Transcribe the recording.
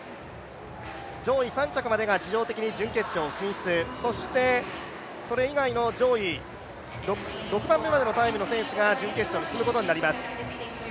上位３着までが自動的に準決勝進出そして、それ以外の上位６番目までのタイムの選手が準決勝に進むことになります。